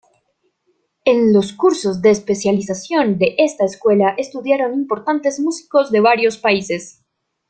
En los cursos de especialización de esta escuela estudiaron importantes músicos de varios países.